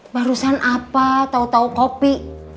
barusan apa tau tau kopi